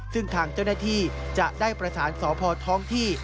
ซึ่งทางเจ้าหน้าที่จะได้ประสานสพท้องที่